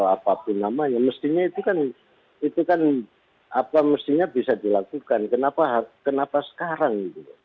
apapun namanya mestinya itu kan itu kan apa mestinya bisa dilakukan kenapa sekarang